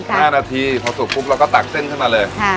หน้านาทีพอสุกปุ๊บเราก็ตักเส้นขึ้นมาเลย